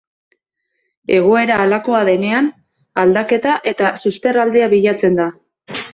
Egoera halakoa denean aldaketa eta susperraldia bilatzen da.